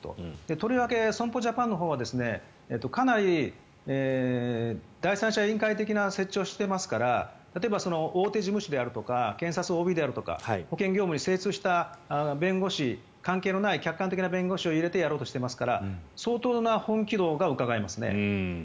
とりわけ損保ジャパンのほうはかなり第三者委員会的な設置をしていますから例えば大手事務所であるとか検察ＯＢであるとか保険業務に精通した弁護士関係のない客観的な弁護士を入れてやろうとしていますから相当な本気度がうかがえますね。